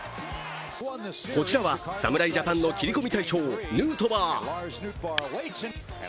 こちらは侍ジャパンの切り込み隊長、ヌートバー。